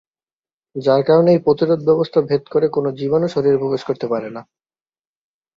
যার কারনে এই প্রতিরোধ ব্যবস্থা ভেদ করে কোনো জীবাণু শরীরে প্রবেশ করতে পারে না।